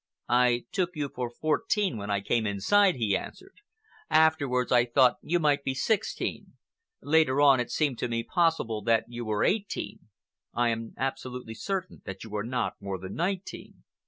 "I took you for fourteen when I came inside," he answered. "Afterwards I thought you might be sixteen. Later on, it seemed to me possible that you were eighteen. I am absolutely certain that you are not more than nineteen."